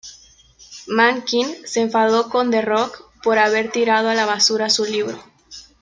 Mankind se enfadó con The Rock por haber tirado a la basura su libro.